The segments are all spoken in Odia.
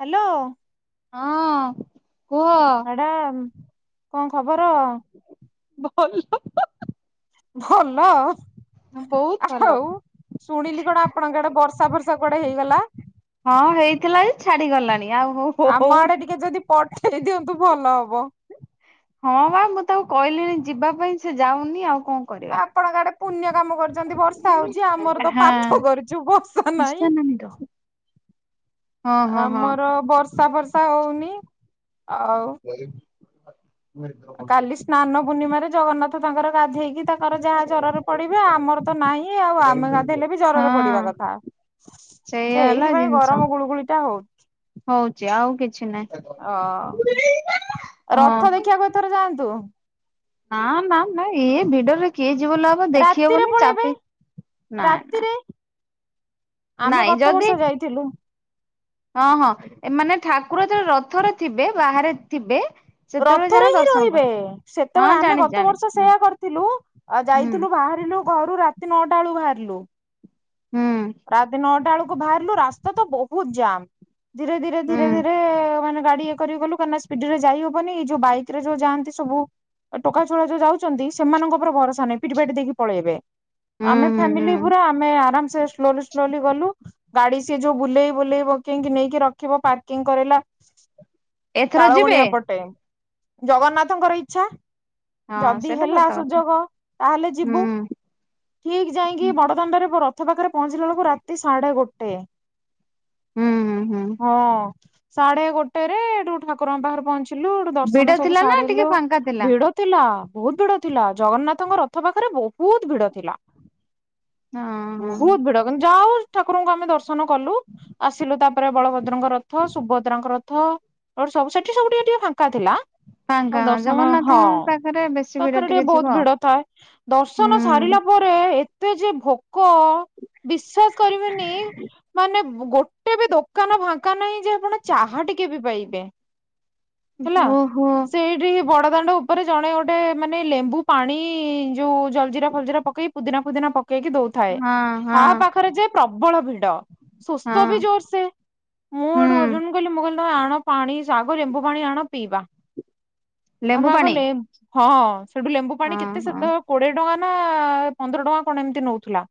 ହ୍ୟାଲୋ। ହଁ। କୁହ। ମ୍ୟାଡମ, କଣ ଖବର? ଭଲ। ଭଲ। ବହୁତ ଆଉ ଭଲ ଶୁଣିଲି କଣ ଆପଣଙ୍କ ଆଡେ ବର୍ଷା ପର୍ଷା କୁଆଡେ ହେଇଗଲା। ହଁ ହେଇଥିଲା ଯେ ଛାଡିଗଲାଣି। ଆଉ ଆମ ଆଡେ ହଉନି। ଟିକେ ଯଦି ପଠେଇ ଦିଅନ୍ତୁ ଭଲ ହବ। ହଁ ବା ମୁଁ ତାକୁ କହିଲିଣି ଯିବା ପାଇଁ ସେ ଯାଉନି ଆଉ। କଣ କରିବା। ଆପଣଙ୍କ ଆଡେ ପୁଣ୍ୟ କାମ କରି ଛନ୍ତି ବର୍ଷା ହଉଛି, ଆମର ତ ହଁ ପାପ କରିଛୁ ବର୍ଷା ଇଶା ନାଇଁ। ନାନୀ ର ହଁ ହଁ ହଁ ଆମର ବର୍ଷା ଫର୍ଷା ହଉନି। ଆଉ। କାଲି ସ୍ନାନ ପୂର୍ଣ୍ଣିମାରେ ଜଗନ୍ନାଥ ତାଙ୍କର ଗାଧେଇକି ତାଙ୍କର ଯାହା ଜ୍ୱରରେ ପଡିବେ, ଆମର ତ ନାହିଁ ଆଉ ଆମେ ଗାଧେଇଲେ ବି ଜ୍ୱରରେ ପଡିବା ହଁ କଥା। ସେଇଆ ହେଲା ସେଇଥିପାଇଁ ଜିନିଷ ଗରମ ଗୁଳୁଗୁଳିଟା ହଉଚି ହଉଛି, ଆଉ କିଛି ନାହିଁ। ଅ। ହଁ ରଥ ହଁ ଦେଖିଆକୁ ଏଥର ଯାଆନ୍ତୁ। ନା ନା ନା ଏ ଭିଡରେ କିଏ ଯି [unintelligible] ଭଲ ହବ ଦେଖି ହବ ରାତିରେ ନାହିଁ ପଳେଇବେ ଚାପି ନାଇଁ ନା। ରାତିରେ ଆମେ ନାଇଁ ଗତେ ଯଦି ବର୍ଷ ଯାଇଥିଲୁ। ହଁ ହଁ ଏ ମାନେ ଠାକୁର ଯେତେବେଳେ ରଥରେ ଥିବେ, ବାହାରେ ଥିବେ ସେତେବେଳେ ରଥରେ ଯାଇ ହିଁ ଦର୍ଶନ କର ରହିବେ, ହଁ ସେତେବେଳେ ଆମେ ଜାଣିଛି ଗତ ଜାଣିଛି ବର୍ଷ ହୁଁ ସେୟା କରିଥିଲୁ ଆ ହୁଁ ଯାଇଥିଲୁ ବାହାରିଲୁ ଘରୁ ରାତି ନଅଟା ବେଳୁ ବାହାରିଲୁ। ହୁଁ ରାତି ନଅଟା ବେଳକୁ ବାହାରିଲୁ, ରାସ୍ତା ତ ବହୁତ ଜାମ। ଧୀରେ ଧୀରେ ହୁଁ ଧୀରେ ଧୀରେ ମାନେ ଗାଡି କରିକି ଗଲୁ, କାରଣ ଏଇ ସ୍ପିଡିରେ ଯାଇ ହବନି ଏଇ ଯୋଉ ବାଇକରେ ଯୋଉ ଯାଆନ୍ତି ସବୁ ଏ ଟୋକା ଛୁଆ ଯୋଉ ଯାଉଛନ୍ତି ସେମାନଙ୍କ ଉପରେ ଭରସା ନାହିଁ ପିଟିପାଟି ଦେଇକି ପଳେଇବେ। ହୁଁ ଆମେ ହୁଁ ଫ୍ୟାମିଲି ହୁଁ ପୁରା ଆମେ ଆରାମସେ ସ୍ଲୋଲି ସ୍ଲୋଲି ଗଲୁ। ଗାଡି ସିଏ ଯୋଉ ବୁଲେଇ ବୁଲେଇ ବଙ୍କେଇକି ନେଇକି ରଖିବ ପାର୍କିଙ୍ଗ କରେଇଲା ଏଥର ଯିବେ ତାଳବଣିଆ ପଟେ, ଜଗନ୍ନାଥଙ୍କର ଇଚ୍ଛା। ହଁ ଯଦି ସେଇଟା ହେଲା ସତ କଥା ସୁଯୋଗ ତାହେଲେ ହୁଁ ଯିବୁ। ଠିକ ଯାଇଁକି ବଡଦାଣ୍ଡରେ ର ଥ ପାଖରେ ପହଞ୍ଚିଲାବେଳକୁ ରାତି ସାଢେ ଗୋଟେ, ହୁଁ ହୁଁ ହୁଁ ହଁ। ସାଢେ ଗୋଟେରେ ଏଠୁ ଠାକୁରଙ୍କ ପାଖରେ ପହଞ୍ଚି ଥିଲୁ, ସେଇଠୁ ଦର୍ଶନ ଭିଡ ସବୁ ଥିଲା ନା ଟିକେ ସାରିଲୁ ଫାଙ୍କା ଥିଲା ଭିଡ ଥିଲା। ବହୁତ ଭିଡ ଥିଲା, ଜଗନ୍ନାଥଙ୍କ ରଥ ପାଖରେ ବହୁତ ଭିଡ ଥିଲା। ଉଁ ହଁ। ଜଗନ ଯା ହଉ ଠାକୁରଙ୍କୁ ଆମେ ଦର୍ଶନ କଲୁ ଆସିଲୁ, ତାପରେ ବଳଭଦ୍ରଙ୍କ ରଥ, ସୁଭଦ୍ରାଙ୍କ ରଥ ସେପଟେ ସେଠି ସବୁ ଟିକେ ଟିକେ ଫାଙ୍କା ଥିଲା। ଆଉ ଫାଙ୍କା ହଁ ଦର୍ଶନ, ହଁ ଜଗନ୍ନାଥଙ୍କ ପାଖରେ ବେଶୀ ଭିଡ ପାଖରେ ଟିକେ ବହୁତ ଥିବ ଭିଡ ଥାଏ। ଦର୍ଶନ ସାରି ଲା ହୁଁ ପରେ, ଏତେ ଯେ ଭୋକ ବିଶ୍ଵାସ କରିବେନି ମାନେ ଗୋଟେ ବି ଦୋକାନ ଫାଙ୍କା ନାହିଁ, ଯେ ଆପଣ ଚା ଟିକେ ବି ପାଇବେ। ହେଲା, ଓହୋ ସେଇଠି ହିଁ ବଡ ଦାଣ୍ଡ ଉପରେ ଜଣେ ଗୋଟେ ମାନେ ଲେମ୍ବୁ ପାଣି ଯୋଉ ଜଲଜିରା ଫଲଜିରା ପକେଇ ପୁଦିନା ଫୁଦିନା ପକ କେଇକି ଦଉଥାଏ, ହଁ ହଁ ତା ପାଖରେ ଯେ ପ୍ରବଳ ଭିଡ ହଁ ଶୋଷ ବି ଜୋରସେ ମୁଁ ହେଉଠୁ ହୁଁ ହଜବେଣ୍ଡ ମୁଁ କହିଲି ମୁଁ କହିଲି ତମେ ଆଣ ପାଣି ଆଗ, ଲେମ୍ବୁ ପାଣି ଆଣ ପିଇବା। ଲେମ୍ବୁ ଆମେ ପାଣି ଗଲେ, ହଁ ହଁ ସେଠୁ ଲେମ୍ବୁ ହଁ ପାଣି କେତେ ହଁ ଶସ୍ତା କୋଡିଏ ଟଙ୍କା ନା ପନ୍ଦର ଟଙ୍କା କଣ ଏମିତି ନଉଥିଲା।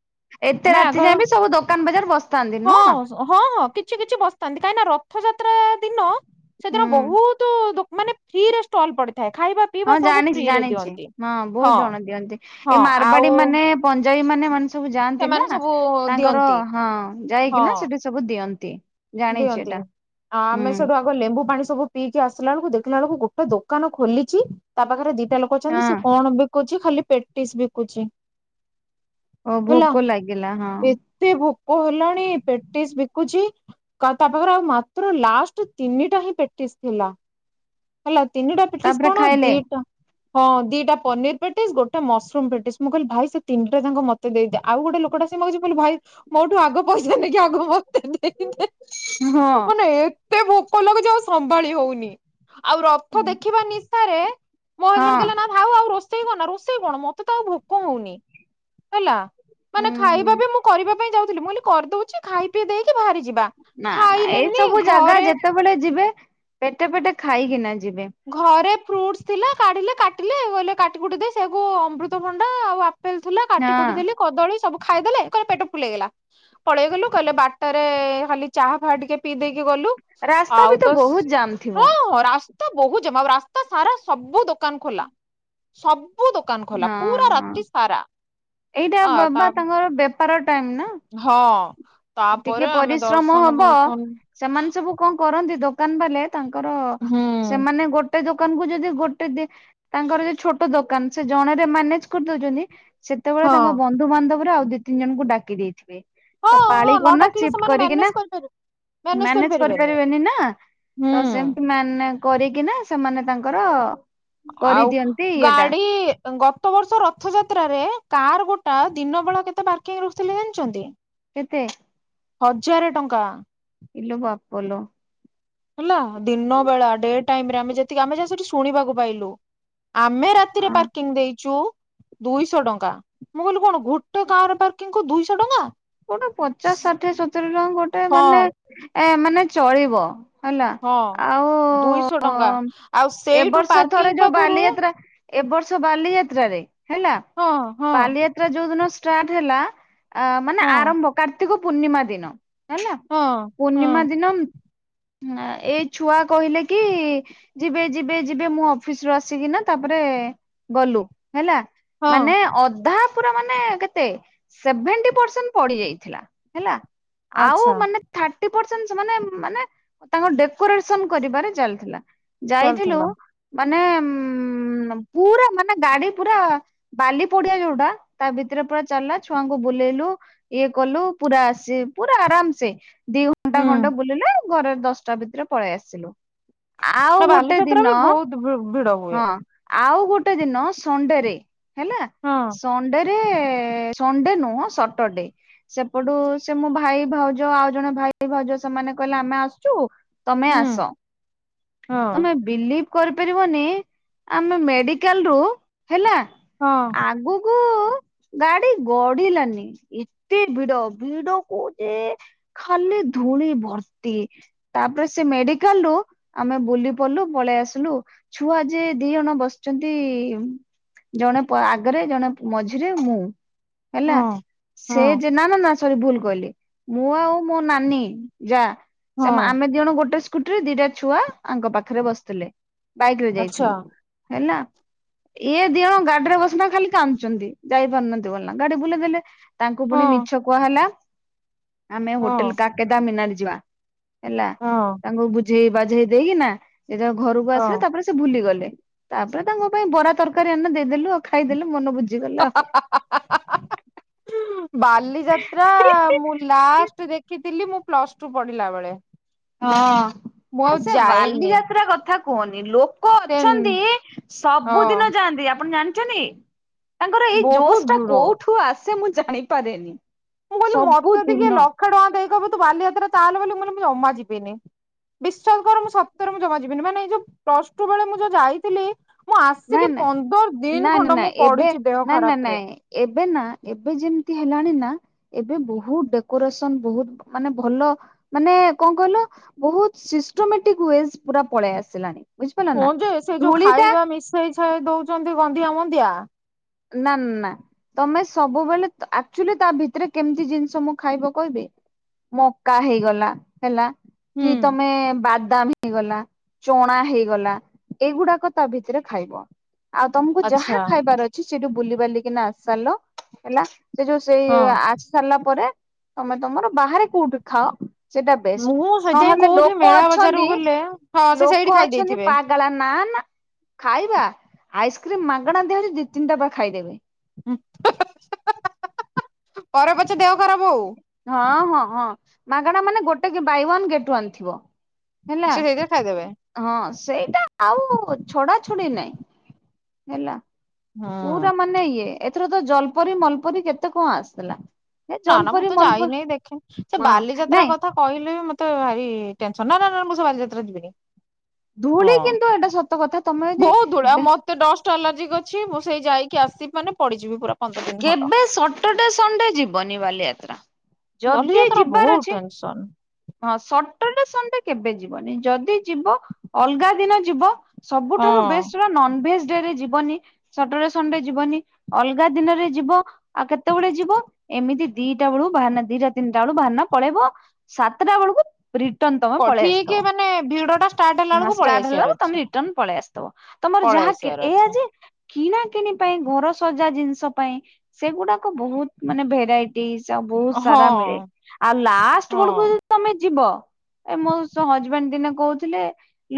ଏତେ ଆମେ ଆଗ, ରାତି ଯାଏ ବି ସବୁ ଦୋକାନ ବଜାର ବସିଥାନ୍ତି ହଁ ନୁହଁ ହଁ ହଁ କିଛି କିଛି ବସିଥାନ୍ତି କାହିଁକି ନା ରଥଯାତ୍ରା ଦିନ ସେଦିନ ହୁଁ ବହୁତ ଲୋକ ମାନେ ଫ୍ରିରେ ଷ୍ଟଲ୍ ପଡି ହଁ ଜାଣିଛି ଜାଣିଛି ହଁ ବହୁତ ଜଣ ଦିଅନ୍ତି। ହଁ ଏ ଆଉ ମାରବାଡି ମାନେ ଯଇ ମାନେ ମାନେ ସବୁ ଯାଆନ୍ତି ସେମାନେ ନା ସବୁ ତାଙ୍କର ଦିଅନ୍ତି ହଁ ଯାଇକି ହଁ। ନା ସେଠି ସବୁ ଦିଅନ୍ତି। ଜାଣିଛି ଦିଅନ୍ତି ଏଟା ଆଉ ହୁଁ ଆମେ ସେଠୁ ଆଗ ଲେମ୍ବୁ ପାଣି ସବୁ ପିଇକି ଆସିଲା ବେଳକୁ ଦେଖିଲା ବେଳକୁ ଗୋ ଗୋଟେ ଦୋକାନ ଖୋଲିଛି ତା ପାଖରେ ଦିଟା ଲୋକ ହଁ ଅଛନ୍ତି ସେ କଣ ବି କହୁଛି ଖାଲି ପ୍ରେଟିସ୍ ବିକୁଛି। ଓ ହେଲା ଭୋକ ଲାଗିଲା ହଁ। ଏତେ ଭୋକ ହେଲାଣି ପେଟିସ ବି କୁଛି ତା ପାଖରେ ଆଉ ମାତ୍ର ଲାଷ୍ଟ ତିନିଟା ହିଁ ପେଟିସ୍ ଥିଲା ହେଲା ତିନିଟା ପେଟିସ୍ ତାପରେ କଣ ଖାଇଲେ ଦିଟା ହଁ ଦିଟା ପନିର ପେଟିସ୍ ଗୋଟେ ମସରୁମ ପେଟିସ୍ ମୁଁ କହିଲି ଭାଇ ସେ ତିନିଟା ଯାଙ୍କ ମତେ ଦେଇଦିଅ ଆଉ ଗୋଟେ ଲୋକଟା ମୁଁ କହିଲି ଭାଇ ମୋଠୁ ଆଗ ପଇସା ନେଇକି ଆଗ ମତେ ଦେଇଦେ ହଁ ମାନେ ଏତେ ଭୋକ ଲାଗୁଛି ଆଉ ସମ୍ଭାଳି ହଉନି। ଆଉ ହଁ ରଥ ଦେଖିବା ନି ମୋ ହଜବେଣ୍ଡ କହିଲା ନା ଥାଉ ଆଉ ରୋଷେଇ କରନା ରୋଷେଇ କଣ ମତେ ତ ଆଉ ଭୋକ ହଉନି ହେଲା ମାନେ ହୁଁ ହୁଁ। ଖାଇବା ବି ମୁଁ କରିବା ପାଇଁ ଯାଉଥିଲି ମୁଁ କରିଦଉଛି ଖାଇ ପିଇ ଦେଇକି ବାହାରି ଯିବା ନା ନା ଏଇ ଖାଇଲେନି ସବୁ ଜାଗା ଘରେ ଯେତେବେଳେ ଯିବେ ପେଟେ ପେଟେ ଖାଇକି ନା ଯି ଘରେ ଫ୍ରୁଟସ୍ ଥିଲା କାଢିଲେ କାଟିଲେ କହିଲେ କାଟି କୁଟି ଦେ ସେୟାକୁ ଅମୃତଭଣ୍ଡା ଆଉ ପେଲ୍ ଥିଲା କାଟି କୁଟି ହଁ ଦେଲି କଦଳୀ ସବୁ ଖାଇଦେଲେ କହିଲେ ପେଟ ଫୁଲ୍ ହେଇଗଲା। ପଳେଇଗଲୁ କହିଲେ ବାଟରେ ଖାଲି ଚାହା ଫା ଟିକେ ପିଇ ଦେଇକି କି ଗଲୁ ରାସ୍ତା ଆଉ ବି ତ ବହୁତ ଜାମ୍ ଥିବ। ହଁ ରା ବହୁତ ଜମା ରାସ୍ତା ସାରା ସବୁ ଦୋକାନ ଖୋଲା ସବୁ ବୁ ଦୋକାନ ଖୋଲା ହଁ ପୁରା ହଁ ରାତିି ସାରା ଏଇଟା ହଁ ବା ତା ବା ତାଙ୍କର ବେପାର ଟାଇମ ନା ହଁ। ଟିକେ ତାପରେ ଆମେ ପରିଶ୍ରମ ଦର୍ଶନ ହବ ଫର୍ଶନ ସେମାନେ ସବୁ କଣ କରନ୍ତି ତ କାନ ବଲେ ତାଙ୍କର ହୁଁ ସେମାନେ ଗୋଟେ ଦୋକ ଦୋକାନ କୁ ଯଦି ଗୋଟେ ଦି ତାଙ୍କର ଯଦି ଛୋଟ ଦୋକାନ ସେ ଜଣରେ ମ୍ୟାନେଜ କରିଦଉଛନ୍ତି ସେତେବେଳେ ହଁ ତାଙ୍କ ବନ୍ଧୁବାନ୍ଧବରେ ଆଉ ଦିଇ ତିନି ଜଣଙ୍କୁ ଡାକି ଦେଇଥିବେ ହଁ ତ ପାଳି ହଁ ନ କରନା ଡାକିଲେ ସିଫ୍ଟ ସେମାନେ କରିକି ନା ମ୍ୟାନେଜ କରିପାରିବେ ମ୍ୟାନେଜ କରିପାରିବେନି ନା ହୁଁ ତ ସେମତି ମାନେ କରିକି ନା ସେମାନେ ତାଙ୍କର ଆଉ କରିଦିଅନ୍ତି ଇଏଟା ଗାଡି ଗତ ବର୍ଷ ର ଥଯାତ୍ରରେ କାର ଗୋଟା ଦିନ ବେଳା କେତେ ପାର୍କିଂ ରଖଥିଲେ ଜାଣିଛନ୍ତି? କେତେ? ହଜାରେ ଟଙ୍କା ପଲ ହେଲା ଦିନ ବେଳା ଡେ ଟାଇମରେମେ ଯେତିକି ଆମେ ଯା ସେଠି ଶୁଣିବାକୁ ପାଇଲୁ। ଆମେ ରାତିରେ ଆ ପାର୍କିଂ ଦେଇଛୁ ଦୁଇଶହ ଟଙ୍କା ମୁଁ କହିଲି କଣ ଗୋଟେ କାର ପାର୍କିଂ କୁ ଦୁଇଶହ ଟଙ୍କା? ଗୋଟେ ପଚାଶ ଷାଠିଏ ସତୁୁର ଟଙ୍କା ଗୋଟେ ମାନେ ହଁ ଏ ମାନେ ଚଳିବ ହେଲା ହଁ ଆଉ ଦୁଇଶହ ଟଙ୍କା ଆଉ ଏ ସେଇଠୁ ବର୍ଷ ଥରେ ପାର୍କିଂ ଯୋଉ ପାଖରୁ ବାଲିଯାତ୍ରା ଏବ ବର୍ଷ ବାଲିଯାତ୍ରାରେ ହେଲା ହଁ ହଁ ବାଲିଯାତ୍ରା ଯୋଉ ଦିନ ଷ୍ଟାର୍ଟ ହେଲା ମାନେ ହଁ ଆରମ୍ଭ କାର୍ତ୍ତିକ ପୂର୍ଣ୍ଣିମା ଦିନ ହେଲା ହଁ ହଁ ପୂର୍ଣ୍ଣିମା ଦିନ ଏଇ ଛୁଆ କହିଲେ କି ଯିବେ ଯିବେ ଯିବେ ମୁଁ ଅଫିସ ରୁ ଆସିକିନା ତାପରେ ଗଲୁ। ହେଲା ହଁ ମାନେ ଅଧା ପୁରା ମାନେ କେତେ ସେଭେଣ୍ଟି ପ ପଡ଼ିଯାଇଥିଲା ହେଲା ଆଉ ଆଚ୍ଛା ମାନେ ଥାଟୀ ପର୍ସେଣ୍ଟ ସେମାନେ ମାନେ ତାଙ୍କ ଡେକୋରେସନ କରିବାରେ ଚାଲିଥିଲା। ଯାଇଥିଲୁ। ଚାଲିଥିଲା ମାନେ ଉ ପୁରା ମାନେ ଗାଡି ପୁରା ବାଲି ପଡିଆ ଯୋଉଟା ତା ଭିତରେ ପୁରା ଚାଲିଲା ଛୁଆଙ୍କୁ ବୁଲେଇଲୁ। ଇଏ କଲୁ ପୁରା ଆସି ପୁରା ଆରାମସେ ଦି ଘଣ୍ଟା ହୁଁ ଘଣ୍ଟା ବୁଲିଲେ। ଘରେ ଦଶଟା ଭିତରେ ପଳେଇ ଆସିଲୁ। ଆଉ ନା ଗୋଟେ ବାଲିଯାତ୍ରା ବି ଦିନ ବହୁତ ଭି ଭିଡ ହୁଏ ହଁ ଆଉ ଗୋ ଗୋଟେ ଦିନ ସଣ୍ଡେରେ ହେଲା ହଁ ସଣ୍ଡେରେ ସଣ୍ଡେ ନୁହଁ ସ ଟଡେ ସେପଟୁ ସେ ମୋ ଭାଇ ଭାଉଜ ଆଉ ଜଣେ ଭାଇ ଭାଉଜ ସେମାନେ କହିଲେ ଆମେ ଆସୁଛୁ। ତମେ ହୁଁ ଆସ ହଁ ତମେ ବିଲିଭ କରିପାରିବନି ଆମେ ମେଡିକାଲ ରୁ ହେଲା ହଁ ଆଗକୁ ଗାଡି ଗଢିଲାନି। ଏତେ ଭିଡ଼ ଭିଡ଼ କୁ ଯେ ଖାଲି ଧୂଳି ଭର୍ତ୍ତି ତା ତାପରେ ସେ ମେଡିକାଲ ରୁ ଆମେ ବୁଲି ପଡିଲୁ ପଳେଇ ଆସିଲୁ ଛୁଆ ଯେ ଦି ଜଣ ବସିଛନ୍ତି। ଜଣେ ପ ଆଗରେ ଜଣେ ମଝିରେ ମୁଁ ହେଲା ହଁ ସେ ହଁ ଯେ ନା ନା। ସରୀ ଭୁଲ କହିଲି ମୁଁ ଆଉ ମୋ ନାନୀ ଯା ସେ ହଁ ଆମେ ଦି ଜଣ ଗୋଟେ ସ୍କୁଟିରେ ଦିଟା ଛୁଆ ଆଙ୍କ ପାଖରେ ବସିଥିଲେ ବାଇକ୍ ରେ ଆଚ୍ଛା ଯାଇଥିଲୁ ହେଲା। ଇଏ ଦିଅଣ ଗାଡିରେ ବସନା ଖାଲି କାନ୍ଦୁଛନ୍ତି ଯାଇପାରୁନାହାନ୍ତି ବୋଲନା ନା ଗାଡି ବୁଲେଇ ଦେଲେ। ତାଙ୍କୁ ହଁ ପୁଣି ମିଛ କୁହା ହେଲା। ଆମେ ହଁ ହୋଟେଲ କାକେଦାମିନାର ଯିବା ହେଲା ହଁ ତାଙ୍କୁ ବୁ ବୁଝେଇ ବାଝେଇ ଦେଇକି ନା ସେ ଘରକୁ ଆସିଲେ ହଁ। ତାପରେ ସେ ଭୁଲିଗଲେ। ତାପରେ ତାଙ୍କ ପାଇଁ ବରା ତରକାରୀ ଆମେ ଦେଇଦେଲୁ ଆଉ ଖାଇଦେଲୁ ମନ ବୁଝ [unintelligible] ବାଲିଯାତ୍ରା ମୁଁ ଲାଷ୍ଟ ଦେଖିଥିଲି ମୁଁ ପ୍ଲସ ଟୁ ପଢିଲା ବେଳେ। ମୁଁ ହଁ ଆଉ ସେ ଯାଏନି ବାଲିଯାତ୍ରା କଥା କୁହନି ଲୋ ଲୋକ ସେ ଅଛନ୍ତି ସବୁଦିନ ହଁ ଯାଆନ୍ତି ଆପଣ ଜାଣିଛନ୍ତି? ତାଙ୍କର ଏଇ ବହୁତ ଜୋସ୍ ଟା ଭିଡ। କୋଉଠୁ ଆସେ ମୁଁ ଜାଣିପାରେନି। ମୁଁ କହିଲି ମତେ ଯଦି କିଏ ସବୁଦିନ ଲକ୍ଷ ଟଙ୍କା ଦେଇକବ ତୁ ବାଲିଯାତ୍ରା ଚାଲେ ବୋଲି ମୁ କହିଲି ମୁ ଜମା ଯିବିନି। ବିଶ୍ୱାସ କର ମୁଁ ସତରେ ମୁଁ ଜମା ଯିବିନି ମାନେ ଏଇ ଯୋଉ ପ୍ଲସ ଟୁ ବେଳେ ମୁଁ ଯୋଉ ଯାଇଥିଲି। ମୁଁ ନାଇଁ ଆସିକି ନାଇଁ ପନ୍ଦର ଦିନ ନାଇଁ ନାଇଁ ଖଣ୍ଡ ନାଇଁ ମୁଁ ଏବେ ପଡିଛି ଦେହ ନାଇଁ ନାଇଁ ଖରାପ ରେ। ନାଇଁ ଏବେ ନା ଏବେ ଯେମିତି ହେଲାଣି ନା ଏବେ ବହୁତ ଡେକୋରେସନ ବହୁତ ମାନେ ଭଲ। ମାନେ କଣ କହିଲ ବହୁତ ସିଷ୍ଟମେଟିକ ୱେଜ୍ ପୁରା ପଳେଇ ଆସିଲା। ହଁ ଯେ ସେ ଯୋଉ ଖାଇବା ମିଶେଇ ଛାଇ ଦଉଛନ୍ତି ଗଣ୍ଧିଆ ମନ୍ଦିଆ। ନା ନା ତମେ ସବୁବେଳେ ଆକ୍ଚୁଲି ତା ଭିତରେ କେମିତି ଜିନିଷ ମୁଁ ଖାଇବ କହିବି। ମକା ହେଇଗଲା ହେଲା ହୁଁ କି ତମେ ବାଦ ବାଦାମ ହେଇଗଲା ଚଣା ହେଇଗଲା ଏଇଗୁଡାକ ତା ଭିତରେ ଖାଇବ। ଆଉ ତମକୁ ଯାହା ଆଚ୍ଛା ଖାଇବାର ଅଛି ସେଇଠୁ ବୁଲି ବାଲିକିନା ଆସିସାଇଲ ହେଲା ସେ ଯୋଉ ସେଇ ହଁ। ଆସି ସାରିଲା ପରେ ତମେ ତମର ବାହାରେ କୋଉଠି ଖାଅ। ସେଟା ମୁଁ ବେଷ୍ଟ ସେଥିପାଇଁ ନହେଲେ କୋଉଠି ଲୋକ ମେଳା ବଜାରକୁ ଅଛନ୍ତି ଗଲେ ହଁ ସେ ସେଇଠି ଲୋକ ଖାଇ ଅଛନ୍ତି ଦେଇଥିବେ। ପାଗଳା ନା ନା ଖାଇବା ଆଇସ୍କ୍ରିମ ମାଗଣା ଦିଆହେଲେ ଦି ତିନିଟା ବା ଖାଇଦେବେ। [unintelligible] ପରେ ପଛେ ଦେହ ଖରାପ ହଉ। ହଁ ହଁ ହଁ ମାଗଣା ମାନେ ଗୋଟେ ବାଇ ୱନ୍ ଗେଟ ୱାନ୍ ଥିବ। ହେଲା ସେ ସେଇଥିରେ ଖାଇଦେବେ ହଁ ସେଇଟା ଆଉ ଛଡା ଛଡ଼ି ନହିଁ ହେଲା ହୁଁ ପୁରା ମାନେ ଇଏ। ଏଥର ତ ଜଲ୍ପରୀ ମଲ୍ପରୀ କେତେ କଣ ଆସିଥିଲା? ଏ ନା ନା ମୁଁ ଜଲପରି ତ ମଲପରି ଯାଇନିଁ ଦେଖିନି, ସେ ହଁ ବାଲିଯାତ୍ରା ନାଇଁ କଥା କହିଲେ ତ ଭାରି ଟେନସନ ନା ନା ନା ମୁଁ ସେ ବାଲିଯାତ୍ରା ଯିବିନି। ହଁ। ଧୂଳି କିନ୍ତୁ ଏଟା ସତ୍ ବହୁତ ଧୂଳି ମତେ ଡଷ୍ଟ ଆଲାର୍ଜି କ୍ ଅଛି ମୁଁ ସେଇ ଯାଇକି ଆସିି ମାନେ ପଡିଯିବି ପୁରା ପନ୍ଦର ଦିନ ଖଣ୍ଡ। କେବେ ସଟରଡେ ସଣ୍ଡେ ଯିବନି ବାଲିଯାତ୍ରା। ଯଦି ବାଲିଯାତ୍ରା ଯିବାର ବହୁତ ଅଛି ଟେନସନ ହଁ ସ୍ ସଟର୍ଡେ ସଣ୍ଡେ କେବେ ଯିବନି ଯଦି ଯିବ ଅଲଗା ଦିନ ଯିବ। ସବୁଠାରୁ ବେଷ୍ଟ ନନଭେଜ ଡେରେ ଯିବନିସଟର୍ଡେ ସଣ୍ଡେ ଯିବନି ଅଲଗ ଅଗା ଦିନରେ ଯିବ ଆଉ କେତେବେେଳେ ଯିବ ଏମିତି ଦିଟା ବେଳୁ ବାହାନା ଦିଟା ତିନିଟା ବେଳ ବାହାରାନା ପଳେଇବ ହ ସାତଟା ବେଳକୁ ରିଟର୍ଣ ତମେ ହଁ ଠିକ ମାନେ ଭିଡ ଟା ଷ୍ଟାର୍ଟ ହେଲା ପଳେଇଆସିଥିବ ବେଳକୁ ପଳେଇ ଷ୍ଟାର୍ଟ ହେଲା ଆସିବାର ଅଛି ତମେ ରିଟର୍ଣ ପଳେଇ ଆସି ତମର ପଳେଇ ଯାହା ଆସିବାର କି-ଏଇଆ ଅଛି। ଯେ କିଣା କିଣି ପାଇଁ ଘର ସଜା ଜିନିଷ ଜ ପାଇଁ ସେଗୁଡାକ ବହୁତ ମାନେ ଭେରାଇଟି ଉ ବହୁତ ହଁ ସାରା ମିଳେ ଆଉ ଲାଷ୍ଟ ହଁ ବେଳକୁ ଯଦି ତମେ ଯିବ ଏ ମୋସ୍ ହଜବେଣ୍ଡ ଦିନେ କହୁଥିଲେ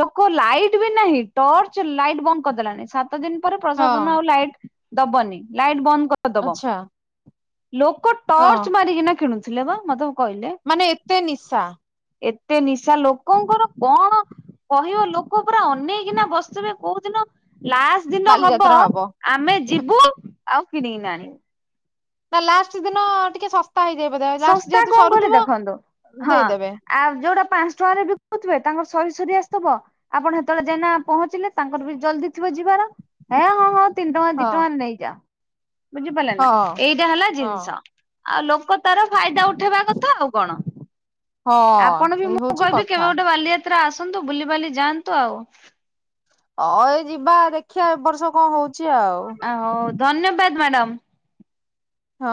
ଲୋକ ଲାଇଟ ବି ନାହିଁ ଟର୍ଚ ଲାଇଟ ବନ୍ଦ କରିଦେଲାନି ସତ୍ ସାତ ଦିନ ପରେ ହଁ ପ୍ରଶାସନ ଆଉ ଲାଇଟ ଦବନି ଲାଇଟ ବନ୍ଦ କରିଦବ। ଆଚ୍ଛା ଲୋକ ହଁ। ଟର୍ଚ ମାରିକିନା କିଣୁଥିଲେ ବା ମତେ କହିଲେ। ମାନେ ଏତେ ନିଶା। ଏତେ ନିଶା ଲୋକଙ୍କର କଣ କହିବ ଲୋକ ପୁରା ଅନେଇକିନା ବସିଥିବେ କୋଉ ଦିନ ଲାଷ୍ଟ ଦିନ ହବ ଆମେ ଯିବୁ ଆଉ କିଣିକିନା ଆଣିବୁ। ନା ଲାଷ୍ଟ ଦିନ ଟିକେ ଶସ ଶସ୍ତା କଣ କଲି ଦେଖନ୍ତୁ। ହଁ ଦେଇଦେବେ ଆଉ ଯୋଉଟା ପାଞ୍ଚ ଟଙ୍କାରେ ବିକୁଥିବେ ତାଙ୍କର ସ ସରି ସରି ଆସିଥିବ ଆପଣ ସେତେବେଳେ ଯେନା ପହଞ୍ଚିଲେ ତାଙ୍କର ବି ଜଲଦି ଥିବ ଯିବାର ହେ ହଁ ହଁ ତିନି ଟଙ୍କା ହଁ ଦି ଟଙ୍କା ରେ ନେଇଯା। ବୁଝିପାରିଲେ ନା ହଁ ଏଇଟା ହେଲା ହଁ ଜିନିଷ ଆଉ ଲୋକ ତାର ଫାଇଦା ଉଠେଇବା କଥା ଆଉ କଣ ହଁ ଆପଣ ବି ସେଇ ମୁଁ ହଉଛି କହିବି କେବେ କଥା ଗୋଟେ ବାଲିଯତ୍ ତ୍ରା ଆସନ୍ତୁ ବୁଲିିବାଲି ଯାଆନ୍ତୁ ଆଉ। ଅ-ଏ ଯିବା ଦେଖିବା ଏ ବର୍ଷ କଣ ହଉଛି ଆଉ। ଆ ହଉ ଧନ୍ୟବାଦ ମ୍ୟାଡ଼ାମ। ହଁ।